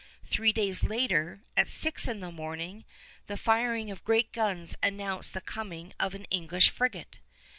Three days later, at six in the morning, the firing of great guns announced the coming of an English frigate.